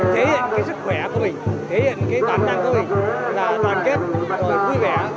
thế hiện cái sức khỏe của mình thế hiện cái toàn năng của mình là đoàn kết rồi vui vẻ